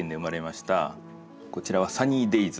こちらは「サニーデイズ」。